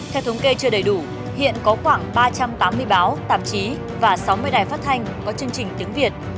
theo thống kê chưa đầy đủ hiện có khoảng ba trăm tám mươi báo tạp chí và sáu mươi đài phát thanh có chương trình tiếng việt